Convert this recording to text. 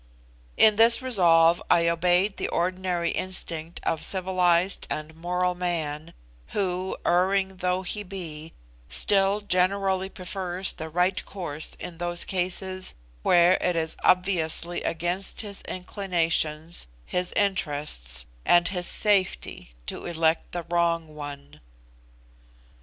In this resolve I obeyed the ordinary instinct of civilised and moral man, who, erring though he be, still generally prefers the right course in those cases where it is obviously against his inclinations, his interests, and his safety to elect the wrong one.